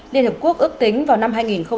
liên hiệp quốc ước tính vào năm hai nghìn ba mươi